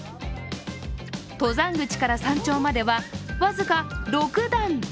登山口から山頂までは、僅か６段。